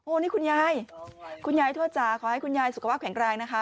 นี่คุณยายคุณยายทวดจ๋าขอให้คุณยายสุขภาพแข็งแรงนะคะ